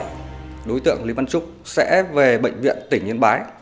ngày bảy đối tượng lý văn trúc sẽ về bệnh viện tỉnh yên bái